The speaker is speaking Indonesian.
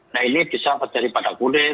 nah ini bisa terjadi pada kulit